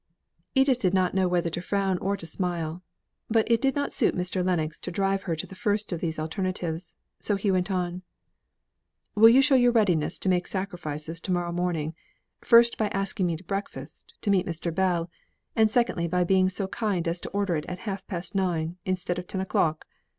Edith did not know whether to frown or to smile, but it did not suit Mr. Lennox to drive her to the first of these alternatives; so he went on. "Will you show your readiness to make sacrifices to morrow morning, first by asking me to breakfast, to meet Mr. Bell, and secondly, by being so kind as to order it at half past nine, instead of at ten o'clock?